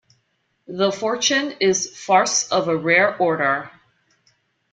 "The Fortune" is farce of a rare order.